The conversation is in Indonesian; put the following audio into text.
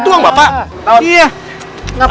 ya makasih pak